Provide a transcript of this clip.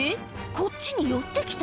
こっちに寄ってきた。